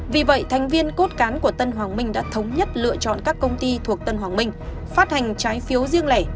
vì vậy thành viên cốt cán của tân hoàng minh đã thống nhất lựa chọn các công ty thuộc tân hoàng minh phát hành trái phiếu riêng lẻ